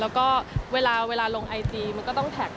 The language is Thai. แล้วก็เวลาลงไอจีมันก็ต้องแท็ก